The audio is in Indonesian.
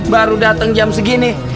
baru datang jam segini